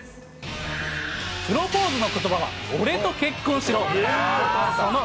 プロポーズのことばは、俺と結婚しろ。